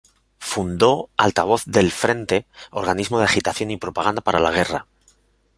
Fundó "Altavoz del Frente", organismo de agitación y propaganda para la guerra.